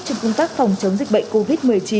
trong công tác phòng chống dịch bệnh covid một mươi chín